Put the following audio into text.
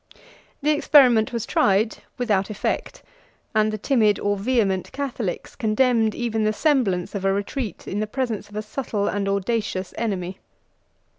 101 The experiment was tried without effect, and the timid or vehement Catholics condemned even the semblance of a retreat in the presence of a subtle and audacious enemy.